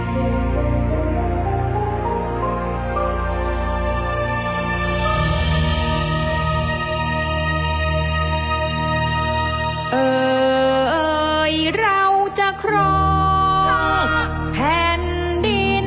โปรดติดตามตอนต่อไป